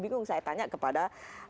bingung saya tanya kepada